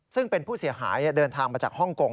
ซึ่งเป็นผู้เสียหายเดินทางมาจากฮ่องกง